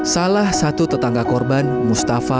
salah satu tetangga korban mustafa